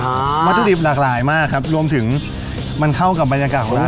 วัตถุดิบหลากหลายมากครับรวมถึงมันเข้ากับบรรยากาศของร้าน